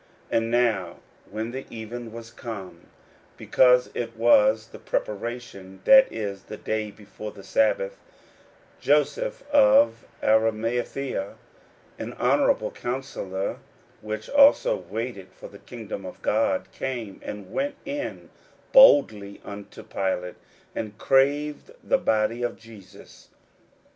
41:015:042 And now when the even was come, because it was the preparation, that is, the day before the sabbath, 41:015:043 Joseph of Arimathaea, an honourable counsellor, which also waited for the kingdom of God, came, and went in boldly unto Pilate, and craved the body of Jesus.